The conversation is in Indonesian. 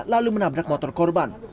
lalu menabrak motor korban